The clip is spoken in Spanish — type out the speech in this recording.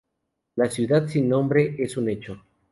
La ciudad sin nombre es un hecho.